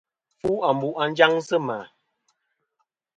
Fu ambu' à njaŋ sɨ mà.